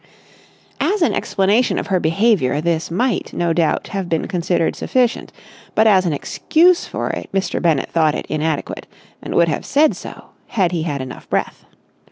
As an explanation of her behaviour this might, no doubt, have been considered sufficient, but as an excuse for it Mr. Bennett thought it inadequate and would have said so, had he had enough breath.